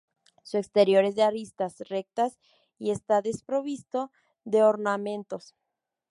Su exterior es de aristas rectas y está desprovisto de ornamentos.